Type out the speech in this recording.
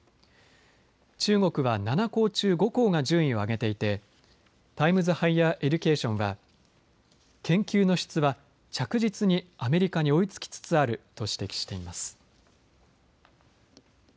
中国は７校中５校が順位を上げていてタイムズ・ハイヤー・エデュケーションは、研究の質は着実にアメリカに追いつきつつあると指摘しています。